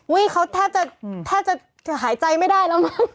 เขาแทบจะแทบจะหายใจไม่ได้แล้วมั้ง